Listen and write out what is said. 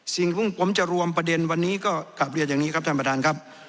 สิ่งที่ผมจะรวมประเด็นวันนี้ก็กลับเรียนอย่างนี้ครับท่านประธานครับ